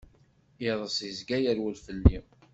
Iḍeṣ izga yerwel fell-i.